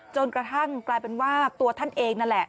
จนกระทั่งกลายเป็นว่าตัวท่านเองนั่นแหละ